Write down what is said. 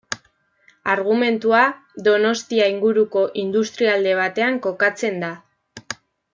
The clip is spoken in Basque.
Argumentua Donostia inguruko industrialde batean kokatzen da.